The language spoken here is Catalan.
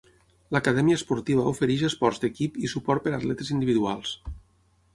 L'Acadèmia Esportiva ofereix esports d'equip i suport per a atletes individuals.